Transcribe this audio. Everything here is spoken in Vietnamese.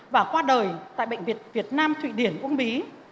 và qua đời tại bệnh viện việt nam thụy điển uông bí